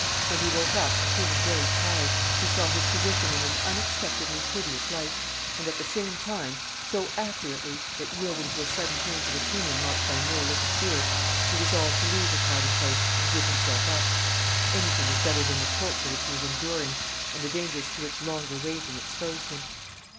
When he woke up, feeling very tired, he saw his position in an unexpectedly hideous light and, at the same time, so accurately that, yielding to a sudden change of opinion marked by no little fear, he resolved to leave his hiding place and give himself up. Anything was better than the torture which he was enduring and the dangers to which longer waiting exposed him.